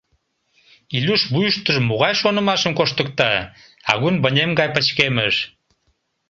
Илюш вуйыштыжо могай шонымашым коштыкта — агун вынем гай пычкемыш.